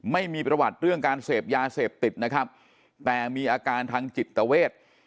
ไม่มีประวัติเรื่องการเสพยาเสพติดนะครับแต่มีอาการทางจิตเวท